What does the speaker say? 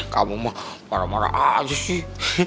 kamu mah marah marah aja sih